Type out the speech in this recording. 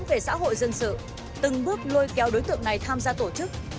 về xã hội dân sự từng bước lôi kéo đối tượng này tham gia tổ chức